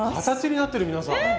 形になってる皆さん！